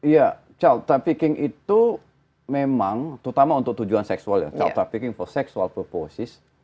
ya child trafficking itu memang terutama untuk tujuan seksual ya child trafficking for sexual purposis